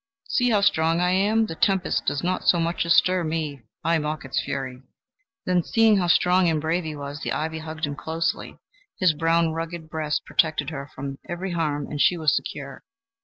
See how strong I am; the tempest does not so much as stir me I mock its fury!" Then, seeing how strong and brave he was, the ivy hugged him closely; his brown, rugged breast protected her from every harm, and she was secure.